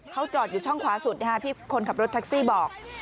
เขาจอดอยู่ช่องขวาสุดพี่คนขับรถแท็กซี่บอก